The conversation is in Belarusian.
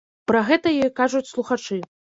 Пра гэта ёй кажуць слухачы.